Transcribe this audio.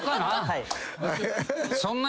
はい。